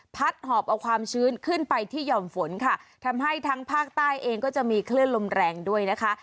หอบเอาความชื้นขึ้นไปที่ห่อมฝนค่ะทำให้ทั้งภาคใต้เองก็จะมีคลื่นลมแรงด้วยนะคะ